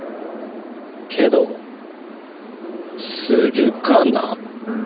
けどするかな。